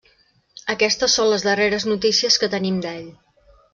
Aquestes són les darreres notícies que tenim d'ell.